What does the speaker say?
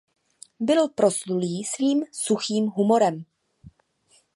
Byl proslulý svým suchým humorem.